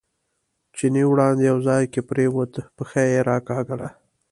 چیني وړاندې یو ځای کې پرېوت، پښه یې راکاږله.